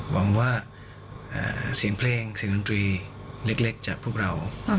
หวังว่าเสียงเพลงเสียงดนตรีเล็กจากพวกเรา